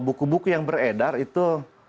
buku buku yang beredar itu